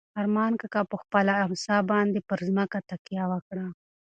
ارمان کاکا په خپله امسا باندې پر ځمکه تکیه وکړه.